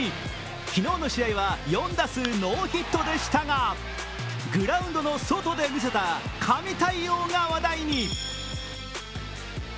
昨日の試合は４打数ノーヒットでしたがグラウンドの外で見せた神対応が話題に。